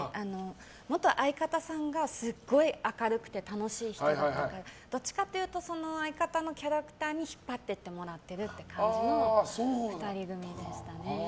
元相方さんがすごい明るくて楽しい人でどっちかというと相方のキャラクターに引っ張っていってもらっている感じの２人組でしたね。